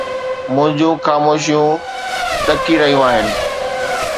منهنجون خاموشيون ڏڪي رهيون آهن